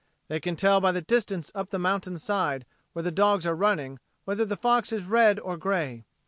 They can tell by the distance up the mountain's side where the dogs are running whether the fox is red or gray.